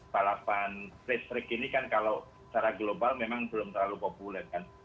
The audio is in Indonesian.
palapan street track ini kan kalau secara global memang belum terlalu populer kan